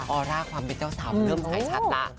ออร่าความเป็นเจ้าสาวเริ่มใส่ชัดละ